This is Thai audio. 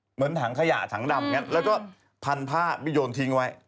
เหมือนถังขยะถังดำอย่างนี้แล้วก็พันผ้าไปโยนทิ้งไว้